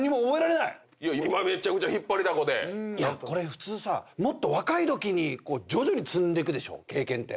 普通もっと若いときに徐々に積んでくでしょ経験って。